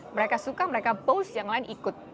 mereka suka mereka post yang lain ikut